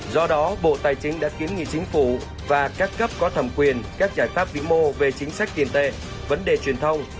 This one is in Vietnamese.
do đó bộ tài chính đã kiến nghị chính phủ và các cấp có thẩm quyền các giải pháp vĩ mô về chính sách tiền tệ vấn đề truyền thông